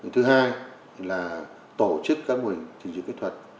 thứ hai là tổ chức các mùi hình thiên dự kỹ thuật